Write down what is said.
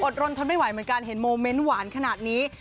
รนทนไม่ไหวเหมือนกันเห็นโมเมนต์หวานขนาดนี้